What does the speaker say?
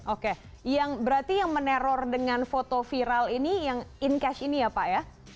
oke berarti yang meneror dengan foto viral ini yang in cash ini ya pak ya